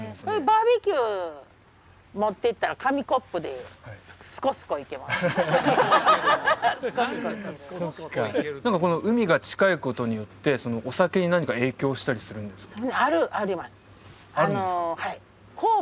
バーベキュー持っていったら紙コップでこの海が近いことによってお酒に何か影響したりするんですか？